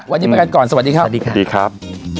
วันนี้บ้างกันก่อนสวัสดีครับ